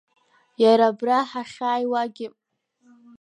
Иара абра ҳахьааиуагьы.